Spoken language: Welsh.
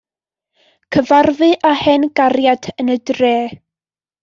Cyfarfu â hen gariad yn y dre.